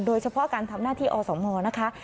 โดยเฉพาะการทำหน้าที่อสมนะคะ